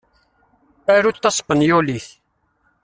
Arut taspenyulit.